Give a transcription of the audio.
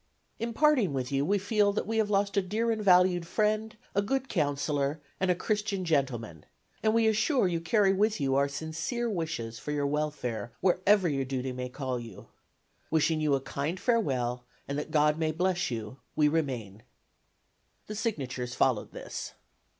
In parting with you we feel that we have lost a dear and valued friend, a good counselor, and a Christian gentleman, and we assure you carry with you our sincere wishes for your welfare wherever your duty may call you. Wishing you a kind farewell and that God may bless you, we remain. The signatures followed this.